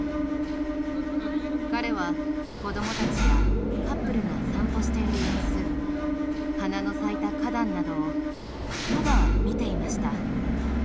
彼は子どもたちやカップルが散歩している様子花の咲いた花壇などをただ見ていました。